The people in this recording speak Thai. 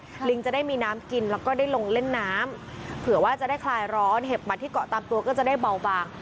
ลิงจะได้มีน้ำกินแล้วก็ได้ลงเล่นน้ำเผื่อว่าจะได้คลายร้อนเห็บหมัดที่เกาะตามตัวก็จะได้เบาบาง